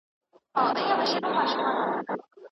د باور ترلاسه کول وخت غواړي.